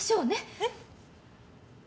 えっ！